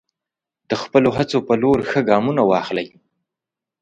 د خپلو هڅو په لور ښه ګامونه واخلئ.